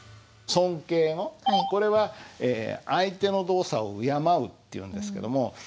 尊敬語これは相手の動作を敬うっていうんですけども。